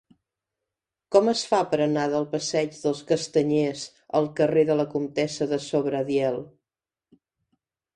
Com es fa per anar del passeig dels Castanyers al carrer de la Comtessa de Sobradiel?